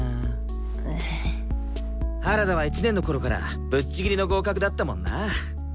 原田は１年のころからぶっちぎりの合格だったもんなぁ。